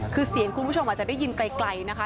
คือเสียงคุณผู้ชมอาจจะได้ยินไกลนะคะ